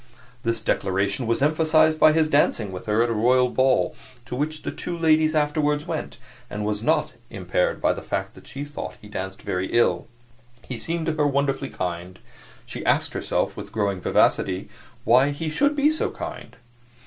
This declaration was emphasized by his dancing with her at a royal ball to which the two ladies afterward went, and was not impaired by the fact that she thought he danced very ill. He seemed to her wonderfully kind; she asked herself, with growing vivacity, why he should be so kind.